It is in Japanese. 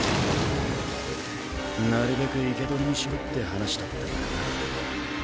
なるべく生け捕りにしろって話だったからな。